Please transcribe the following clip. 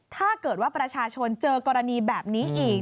ถ้าเกิดว่าประชาชนเจอกรณีแบบนี้อีก